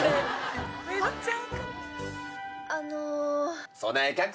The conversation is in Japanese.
あの。